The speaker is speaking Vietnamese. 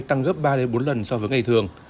tăng gấp ba bốn lần so với ngày thường